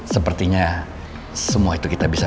sepertinya semua itu kita bisa